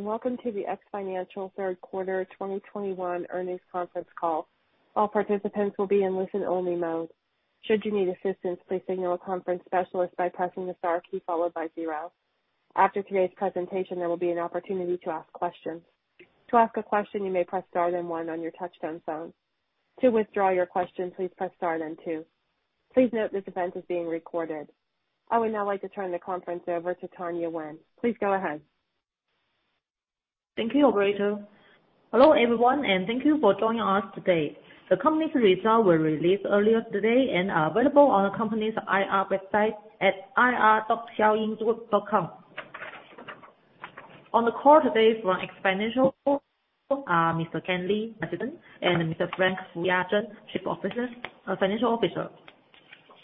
Hello, and welcome to the X Financial third quarter 2021 earnings conference call. All participants will be in listen-only mode. Should you need assistance, please signal a conference specialist by pressing the star key followed by zero. After today's presentation, there will be an opportunity to ask questions. To ask a question, you may press star then one on your touch-tone phone. To withdraw your question, please press star then two. Please note this event is being recorded. I would now like to turn the conference over to Tanya Wen. Please go ahead. Thank you, operator. Hello, everyone, and thank you for joining us today. The company's results were released earlier today and are available on the company's IR website at ir.xiaoyinggroup.com. On the call today from X Financial are Mr. Kan Li, President, and Mr. Frank Fuya Zheng, Chief Financial Officer.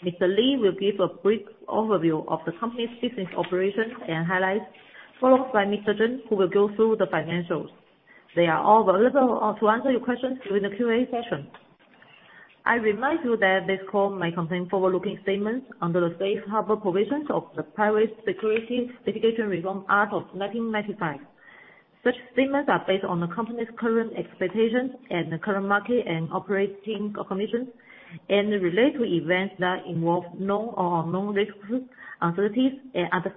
Mr. Li will give a brief overview of the company's business operations and highlights, followed by Mr. Zheng, who will go through the financials. They are all available to answer your questions during the Q&A session. I remind you that this call may contain forward-looking statements under the Safe Harbor provisions of the Private Securities Litigation Reform Act of 1995. Such statements are based on the company's current expectations and the current market and operating conditions and relate to events that involve known or unknown risks, uncertainties and other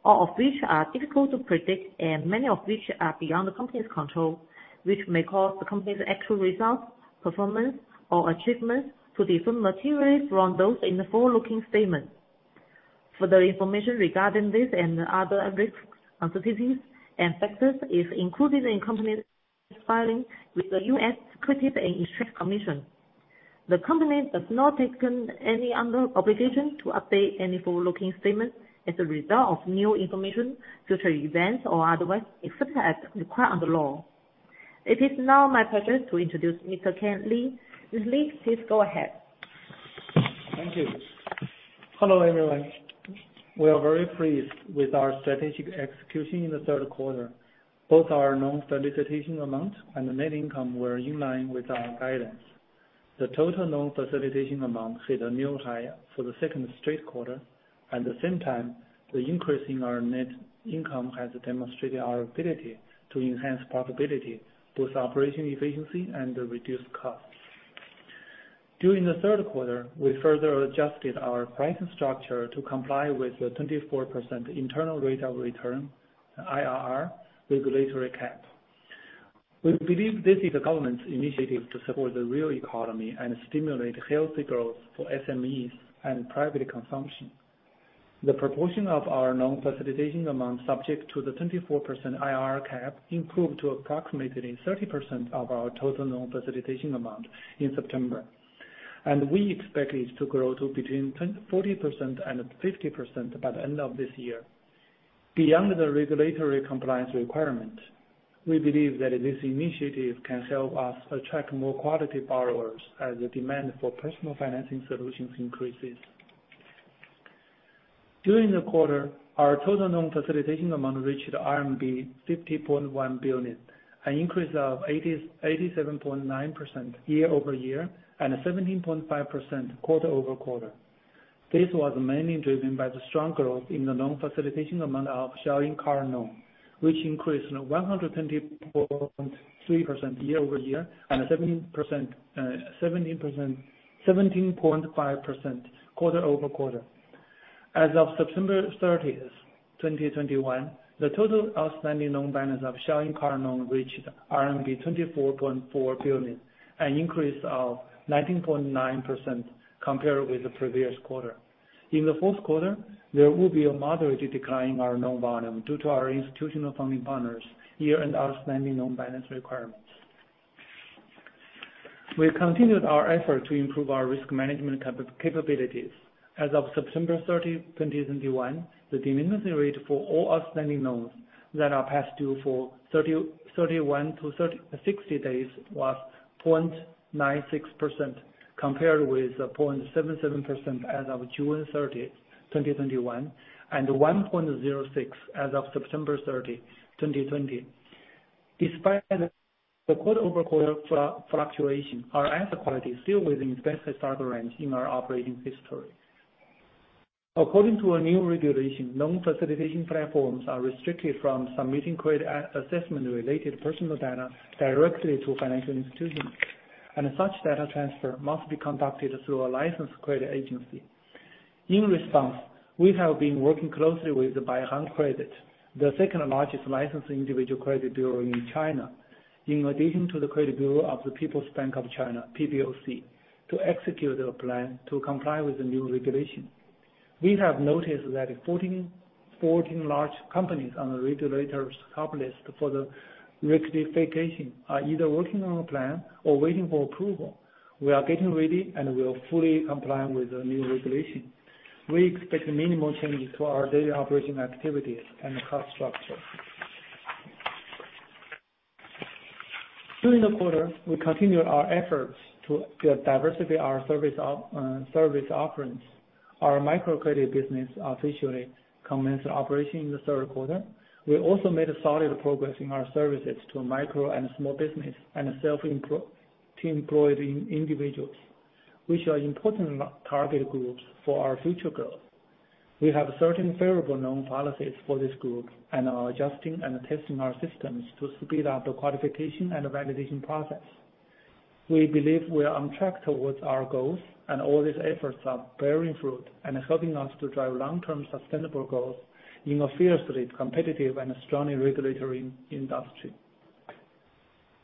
factors, all of which are difficult to predict and many of which are beyond the company's control, which may cause the company's actual results, performance or achievements to differ materially from those in the forward-looking statements. Further information regarding this and other risks, uncertainties and factors is included in the company's filings with the U.S. Securities and Exchange Commission. The company does not intend any other obligation to update any forward-looking statements as a result of new information, future events or otherwise, except as required under law. It is now my pleasure to introduce Mr. Kan Li. Mr. Li, please go ahead. Thank you. Hello, everyone. We are very pleased with our strategic execution in the third quarter. Both our loan facilitation amount and the net income were in line with our guidance. The total loan facilitation amount hit a new high for the second straight quarter. At the same time, the increase in our net income has demonstrated our ability to enhance profitability, both operating efficiency and reduced costs. During the third quarter, we further adjusted our pricing structure to comply with the 24% IRR regulatory cap. We believe this is the government's initiative to support the real economy and stimulate healthy growth for SMEs and private consumption. The proportion of our loan facilitation amounts subject to the 24% IRR cap improved to approximately 30% of our total loan facilitation amount in September, and we expect it to grow to between 40% and 50% by the end of this year. Beyond the regulatory compliance requirement, we believe that this initiative can help us attract more quality borrowers as the demand for personal financing solutions increases. During the quarter, our total loan facilitation amount reached RMB 50.1 billion, an increase of 87.9% year-over-year and 17.5% quarter-over-quarter. This was mainly driven by the strong growth in the loan facilitation amount of Xiaoying Car Loan, which increased 124.3% year-over-year and 17.5% quarter-over-quarter. As of September 30, 2021, the total outstanding loan balance of Xiaoying Car Loan reached RMB 24.4 billion, an increase of 19.9% compared with the previous quarter. In the fourth quarter, there will be a moderate decline in our loan volume due to our institutional funding partners' year-end outstanding loan balance requirements. We have continued our effort to improve our risk management capabilities. As of September 30, 2021, the delinquency rate for all outstanding loans that are past due for 30 days-60 days was 0.96%, compared with 0.77% as of June 30, 2021, and 1.06% as of September 30, 2020. Despite the quarter-over-quarter fluctuation, our asset quality is still within its best historical range in our operating history. According to a new regulation, loan facilitation platforms are restricted from submitting credit assessment-related personal data directly to financial institutions, and such data transfer must be conducted through a licensed credit agency. In response, we have been working closely with Baihang Credit, the second-largest licensed individual credit bureau in China, in addition to the Credit Bureau of the People's Bank of China, PBOC, to execute a plan to comply with the new regulation. We have noticed that 14 large companies on the regulators' top list for the rectification are either working on a plan or waiting for approval. We are getting ready and will fully comply with the new regulation. We expect minimal changes to our daily operating activities and cost structure. During the quarter, we continued our efforts to diversify our service offerings. Our micro credit business officially commenced operation in the third quarter. We also made a solid progress in our services to micro and small business and self-employed individuals. Which are important target groups for our future growth. We have certain favorable loan policies for this group and are adjusting and testing our systems to speed up the qualification and validation process. We believe we are on track towards our goals, and all these efforts are bearing fruit and helping us to drive long-term sustainable growth in a fiercely competitive and strongly regulatory industry.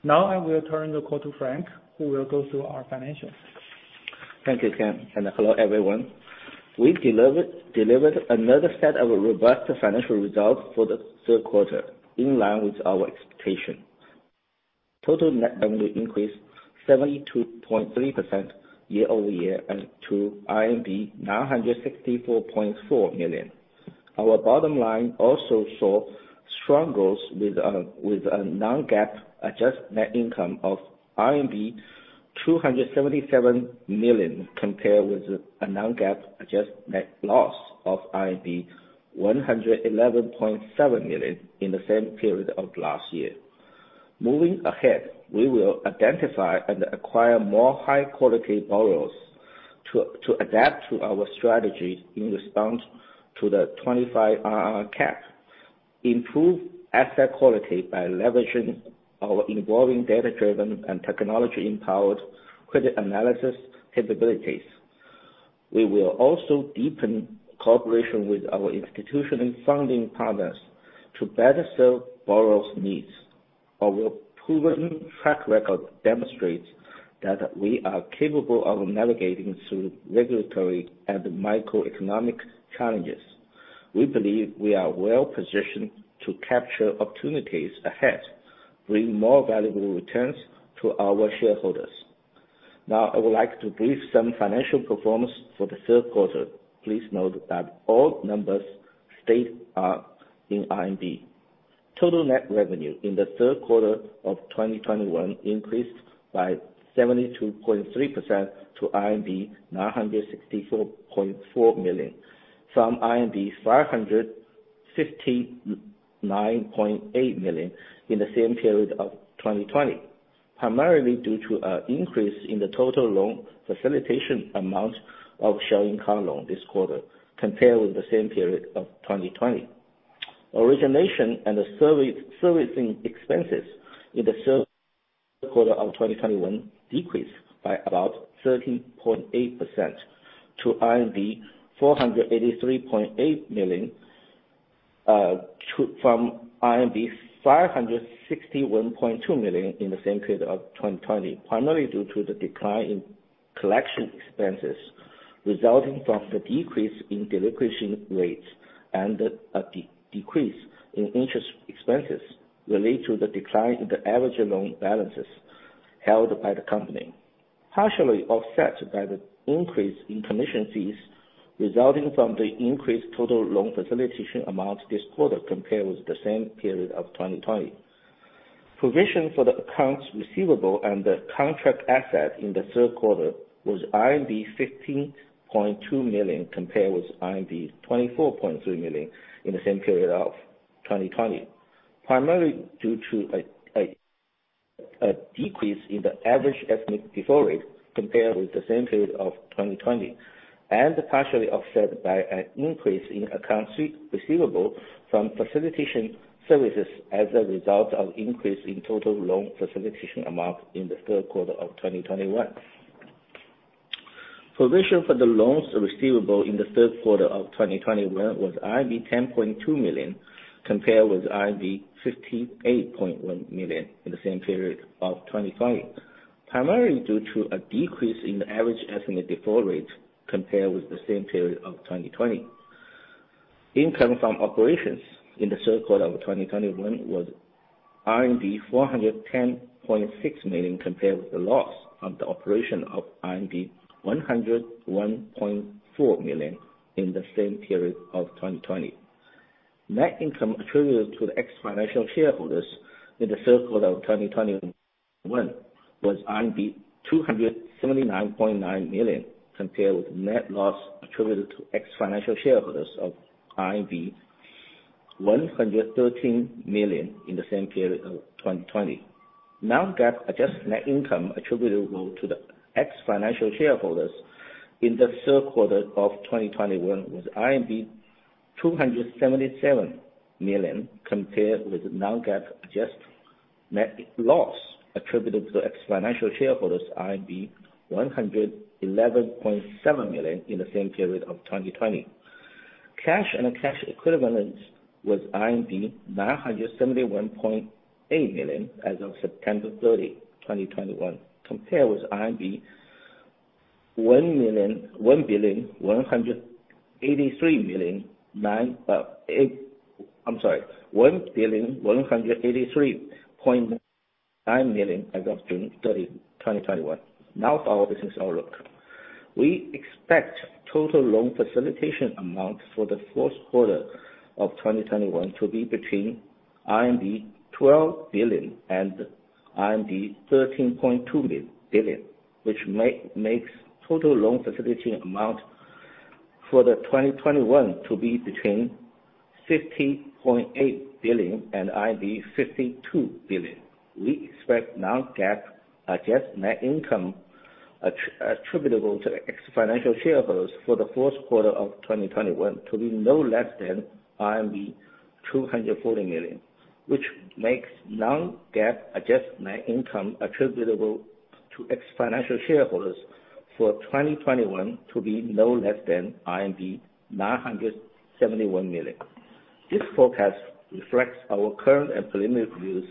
Now I will turn the call to Frank, who will go through our financials. Thank you, Kent, and hello, everyone. We delivered another set of robust financial results for the third quarter, in line with our expectation. Total net revenue increased 72.3% year-over-year to RMB 964.4 million. Our bottom line also saw strong growth with a non-GAAP adjusted net income of RMB 277 million, compared with a non-GAAP adjusted net loss of RMB 111.7 million in the same period of last year. Moving ahead, we will identify and acquire more high-quality borrowers to adapt to our strategy in response to the 24% IRR cap, improve asset quality by leveraging our evolving data-driven and technology-empowered credit analysis capabilities. We will also deepen cooperation with our institutional funding partners to better serve borrowers' needs. Our proven track record demonstrates that we are capable of navigating through regulatory and macroeconomic challenges. We believe we are well-positioned to capture opportunities ahead, bring more valuable returns to our shareholders. Now I would like to brief some financial performance for the third quarter. Please note that all numbers stated are in RMB. Total net revenue in the third quarter of 2021 increased by 72.3% to RMB 964.4 million, from RMB 559.8 million in the same period of 2020. Primarily due to an increase in the total loan facilitation amount of Xiaoying Car Loan this quarter compared with the same period of 2020. Origination and servicing expenses in the third quarter of 2021 decreased by about 13.8% to RMB 483.8 million, to... from RMB 561.2 million in the same period of 2020, primarily due to the decline in collection expenses resulting from the decrease in delinquency rates and a decrease in interest expenses related to the decline in the average loan balances held by the company. Partially offset by the increase in commission fees resulting from the increased total loan facilitation amount this quarter compared with the same period of 2020. Provision for the accounts receivable and the contract asset in the third quarter was 15.2 million, compared with 24.3 million in the same period of 2020. Primarily due to a decrease in the average ethnic default rate compared with the same period of 2020, and partially offset by an increase in accounts receivable from facilitation services as a result of increase in total loan facilitation amount in the third quarter of 2021. Provision for the loans receivable in the third quarter of 2021 was RMB 10.2 million, compared with RMB 58.1 million in the same period of 2020, primarily due to a decrease in the average estimated default rate compared with the same period of 2020. Income from operations in the third quarter of 2021 was 410.6 million, compared with the loss from operations of 101.4 million in the same period of 2020. Net income attributable to the X Financial shareholders in the third quarter of 2021 was 279.9 million, compared with net loss attributable to X Financial shareholders of RMB 113 million in the same period of 2020. non-GAAP adjusted net income attributable to the X Financial shareholders in the third quarter of 2021 was RMB 277 million, compared with non-GAAP adjusted net loss attributable to X Financial shareholders of RMB 111.7 million in the same period of 2020. Cash and cash equivalents was RMB 971.8 million as of September 30, 2021, compared with RMB 1,183.9 million as of June 30, 2021. Now for our business outlook. We expect total loan facilitation amount for the fourth quarter of 2021 to be between RMB 12 billion and RMB 13.2 billion, which makes total loan facilitation amount for 2021 to be between 50.8 billion and 52 billion. We expect non-GAAP adjusted net income attributable to X Financial shareholders for the fourth quarter of 2021 to be no less than RMB 240 million, which makes non-GAAP adjusted net income attributable to X Financial shareholders for 2021 to be no less than RMB 971 million. This forecast reflects our current and preliminary views,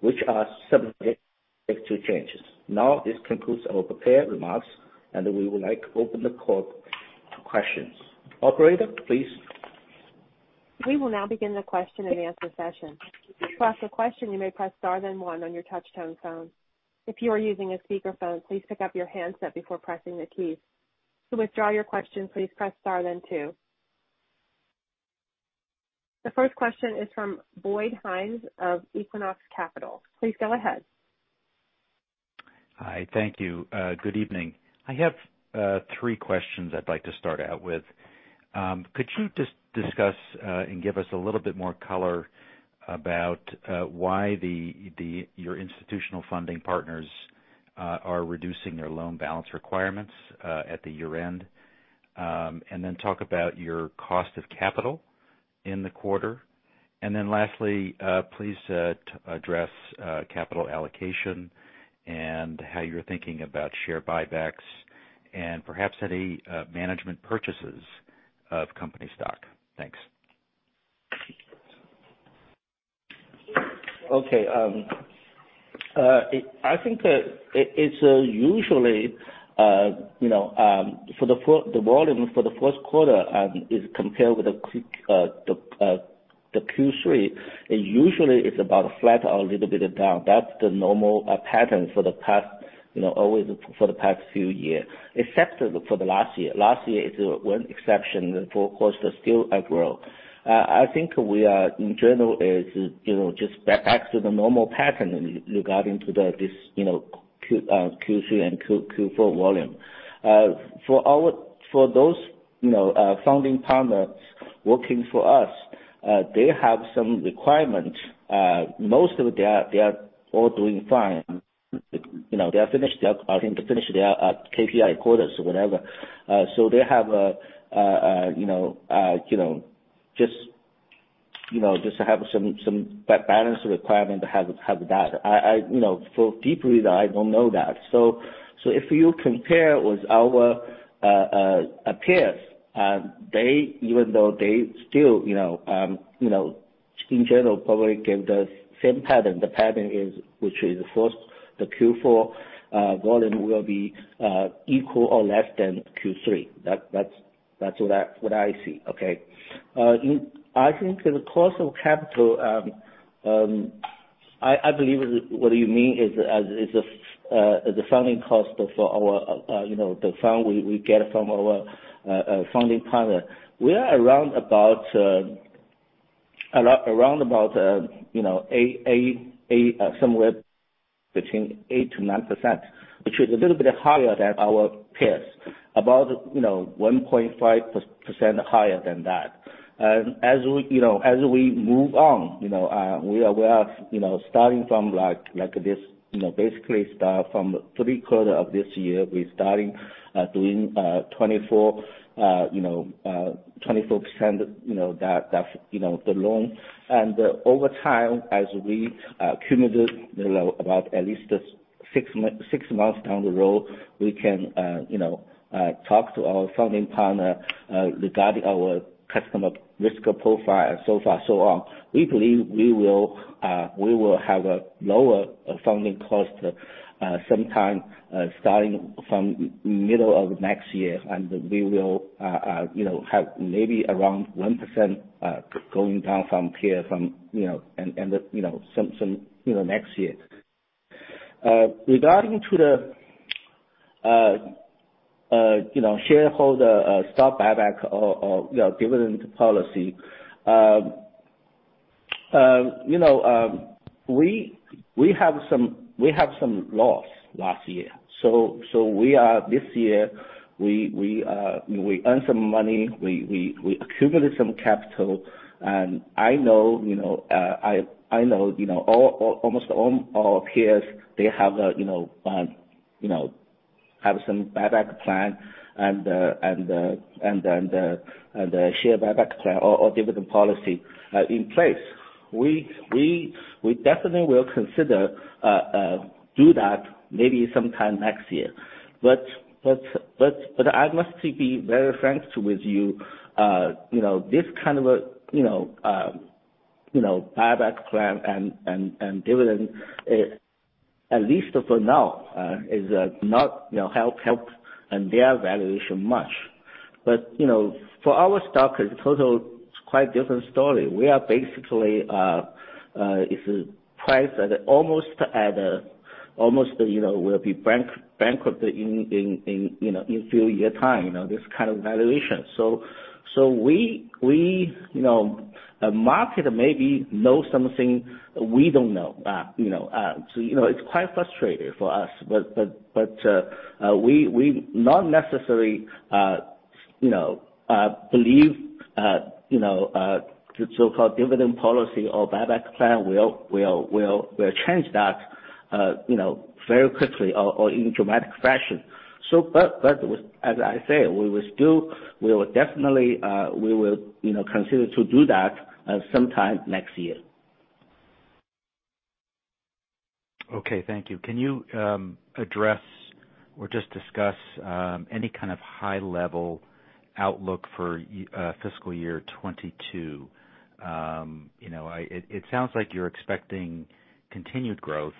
which are subject to changes. Now, this concludes our prepared remarks, and we would like to open the call to questions. Operator, please. We will now begin the question and answer session. To ask a question, you may press star one on your touchtone phone. If you are using a speakerphone, please pick up your handset before pressing the keys. To withdraw your question, please press star then two. The first question is from Bo Hinds of Equinox Capital. Please go ahead. Hi. Thank you. Good evening. I have three questions I'd like to start out with. Could you just discuss and give us a little bit more color about why your institutional funding partners are reducing their loan balance requirements at the year-end? Then talk about your cost of capital in the quarter. Then lastly, please address capital allocation and how you're thinking about share buybacks and perhaps any management purchases of company stock. Thanks. Okay. I think it's usually, you know, for the volume for the first quarter is compared with the Q3. It's about flat or a little bit down. That's the normal pattern for the past, you know, always for the past few year, except for the last year. Last year is one exception and of course the still aggro. I think we are in general is, you know, just back to the normal pattern regarding to this, you know, Q3 and Q4 volume. For those, you know, funding partners working for us, they have some requirements. Most of them they are all doing fine. You know, they have finished their KPI quarters or whatever. They have a you know just to have some balance requirement to have that. I you know frankly I don't know that. If you compare with our peers, they even though they still you know in general probably give the same pattern. The pattern is which is first the Q4 volume will be equal or less than Q3. That's what I see. Okay. I think the cost of capital I believe what you mean is the funding cost for our you know the fund we get from our funding partner. We are around about you know somewhere between 8%-9%, which is a little bit higher than our peers. About you know 1.5 percentage points higher than that. As we you know as we move on you know we are you know starting from like this you know basically start from third quarter of this year, we're starting doing 24% you know that you know the loan. Over time as we accumulate you know about at least six months down the road we can you know talk to our funding partner you know regarding our customer risk profile so far, so on. We believe we will have a lower funding cost sometime starting from middle of next year. We will, you know, have maybe around 1% going down from here, you know, some next year. Regarding the, you know, shareholder stock buyback or, you know, dividend policy, you know, we have some loss last year. This year, we earn some money, we accumulated some capital. I know, you know, I know, you know, almost all our peers, they have, you know, have some buyback plan and the share buyback plan or dividend policy in place. We definitely will consider do that maybe sometime next year. But I must be very frank with you know, this kind of, you know, buyback plan and dividend, it at least for now is not, you know, helped their valuation much. But you know, for our stock as a total, it's quite different story. We are basically priced at almost a, you know, will be bankrupt in a few years time, you know, this kind of valuation. The market maybe knows something we don't know, you know, so, you know, it's quite frustrating for us. We not necessarily believe so-called dividend policy or buyback plan will change that, you know, very quickly or in dramatic fashion. As I say, we will still definitely, you know, consider to do that sometime next year. Okay, thank you. Can you address or just discuss any kind of high level outlook for fiscal year 2022? You know, it sounds like you're expecting continued growth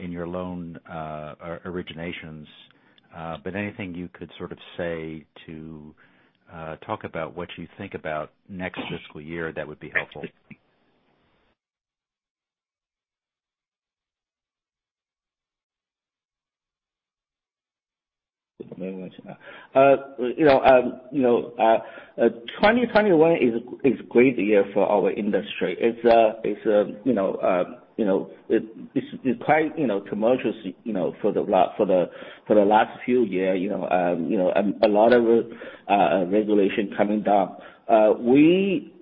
in your loan originations. Anything you could sort of say to talk about what you think about next fiscal year, that would be helpful. 2021 is a great year for our industry. It's quite tumultuous, you know, for the last few years, a lot of regulation coming down. We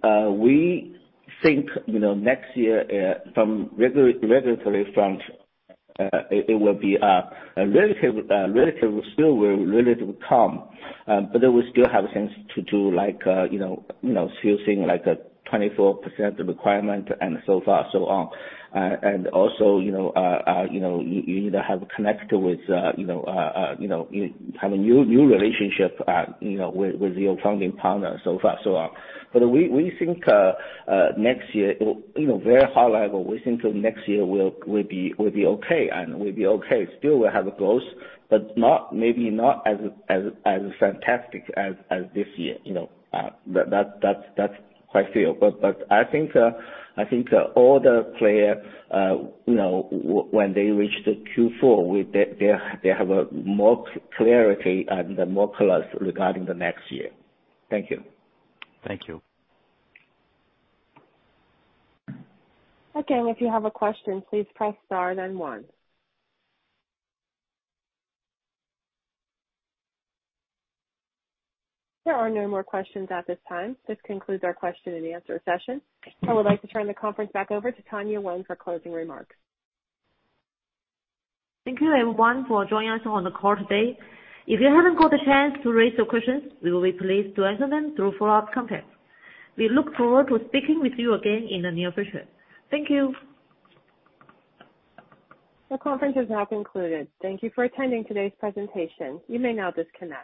think next year from the regulatory front it will be relatively calm, but then we still have things to do, like still seeing like a 24% IRR cap and so on. Also, you need to have a new relationship with your funding partner and so on. We think next year, you know, very high level, we think next year will be okay and will be okay. Still we have a growth, but maybe not as fantastic as this year, you know. That's quite a few. I think all the players, you know, when they reach Q4, they have more clarity and more color regarding next year. Thank you. Thank you. Again, if you have a question, please press star then one. There are no more questions at this time. This concludes our question and answer session. I would like to turn the conference back over to Tanya Wen for closing remarks. Thank you everyone for joining us on the call today. If you haven't got a chance to raise your questions, we will be pleased to answer them through follow-up contact. We look forward to speaking with you again in the near future. Thank you. The conference has now concluded. Thank you for attending today's presentation. You may now disconnect.